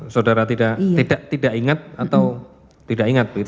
saudara tidak ingat atau tidak ingat begitu ya